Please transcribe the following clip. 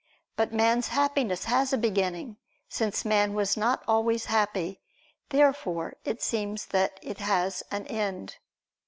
But man's Happiness has a beginning, since man was not always happy. Therefore it seems that it has an end.